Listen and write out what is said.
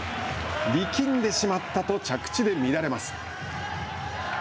力んでしまったと、着地で乱れます。